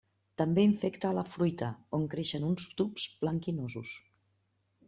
També infecta a la fruita, on creixen uns tubs blanquinosos.